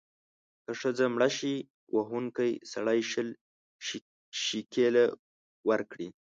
که ښځه مړه شي، وهونکی سړی شل شِکِله ورکړي.